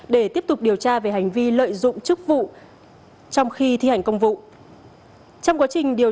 để tiếp tục điều tra về hành vi lợi dụng chức vụ trong khi thi hành công vụ